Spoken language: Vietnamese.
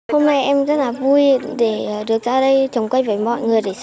hôm nay em rất là vui để được ra đây trồng cây với mọi người